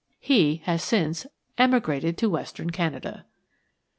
He has since emigrated to Western Canada.